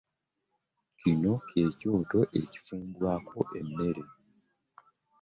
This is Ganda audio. Kino kyekyoto ekifumbwako emmere.